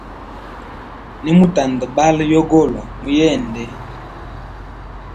Nimu tandabala yogolwa mu yende.